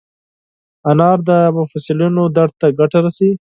انار د مفصلونو درد ته ګټه رسوي.